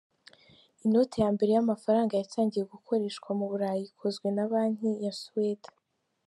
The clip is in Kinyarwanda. Inote ya mbere y’amafaranga yatangiye gukoreshwa mu Burayi ikozwe na banki ya Suwede.